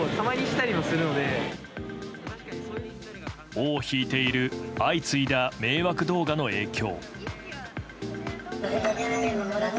尾を引いている相次いだ迷惑動画の影響。